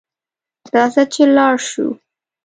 راځه چې لاړشوو